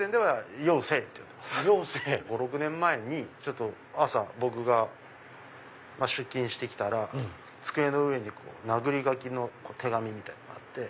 ５６年前に朝僕が出勤して来たら机の上に殴り書きの手紙みたいのがあって。